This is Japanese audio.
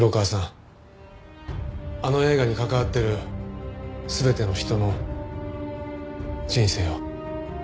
あの映画に関わってる全ての人の人生を。